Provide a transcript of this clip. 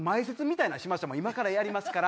今からやりますから！